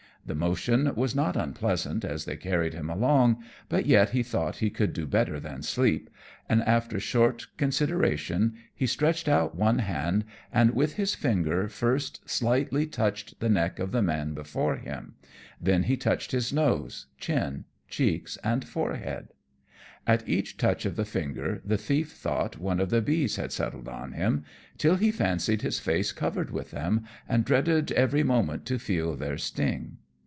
The motion was not unpleasant as they carried him along; but yet he thought he could do better than sleep, and after short consideration he stretched out one hand, and with his finger first slightly touched the neck of the man before him, then he touched his nose, chin, cheeks, and forehead. At each touch of the finger the thief thought one of the bees had settled on him, till he fancied his face covered with them, and dreaded every moment to feel their sting.